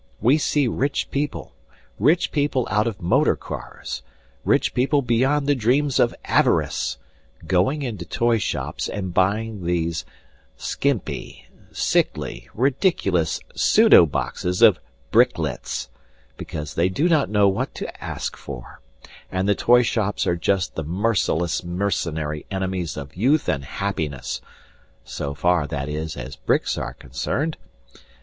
We see rich people, rich people out of motor cars, rich people beyond the dreams of avarice, going into toyshops and buying these skimpy, sickly, ridiculous pseudo boxes of bricklets, because they do not know what to ask for, and the toyshops are just the merciless mercenary enemies of youth and happiness so far, that is, as bricks are concerned.